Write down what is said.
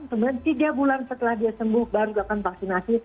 kemudian tiga bulan setelah dia sembuh baru dilakukan vaksinasi